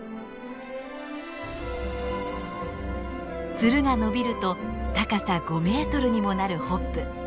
ツルが伸びると高さ５メートルにもなるホップ。